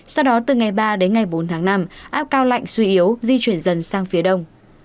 sau đó từ ngày ba đến ngày bốn tháng năm áp cao lạnh suy yếu di chuyển dần sang phía đông